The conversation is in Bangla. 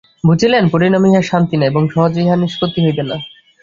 বুঝিলেন, পরিণামে ইহার শান্তি নাই এবং সহজে ইহার নিষ্পত্তি হইবে না।